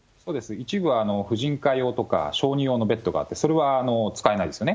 一部は婦人科用とか、小児用のベッドがあって、それは使えないですね。